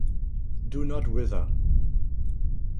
Do not wither.